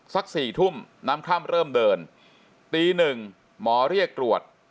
สัก๔ทุ่มน้ำค่ำเริ่มเดินตีหนึ่งหมอเรียกตรวจ